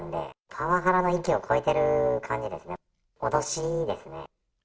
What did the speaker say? パワハラの域を超えてる感じですね、脅しですね。